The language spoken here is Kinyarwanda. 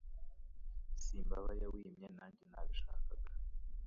Simbabaye wimye nange nabishakaga